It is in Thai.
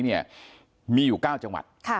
มีอยู่๙จังหวัด